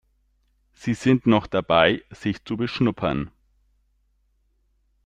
Sie sind noch dabei, sich zu beschnuppern.